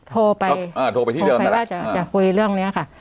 โทรไปอ่าโทรไปที่เดิมนั่นแหละโทรไปว่าจะคุยเรื่องเนี้ยค่ะ